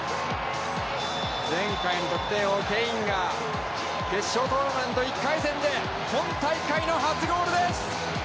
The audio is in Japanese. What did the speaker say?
前回の得点王ケインが決勝トーナメント１回戦で今大会の初ゴールです！